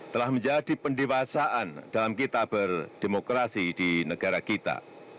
telah menjadi pendewasaan dalam kita berdemokrasi di negara kita